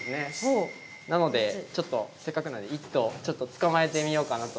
なのでちょっとせっかくなので１頭捕まえてみようかなと。